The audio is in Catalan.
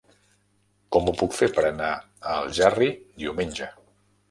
Com ho puc fer per anar a Algerri diumenge?